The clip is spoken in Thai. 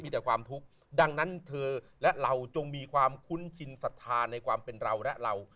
มีแต่ความทุกข์ดังนั้นเธอและเราจงมีความคุ้นชินศรัทธาในความเป็นเราและเรา